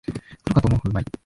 プロかと思うほどうまい